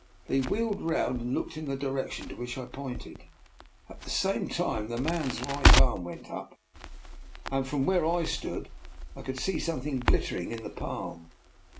" They wheeled round and looked in the di rection to which I pointed. At the same moment the man's right arm went up, and from where I stood I could see something glittering in the palm.